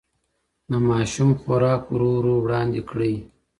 د ماشوم خوراک ورو ورو وړاندې کړئ.